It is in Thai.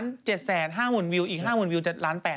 ตอนนี้๑๗๕๕๐๐๐วิวอีก๕๐๐๐๐๐๐วิวจะ๗๘๐๐๐๐๐ค่ะ